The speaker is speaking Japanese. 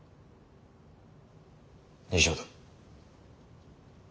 以上だ。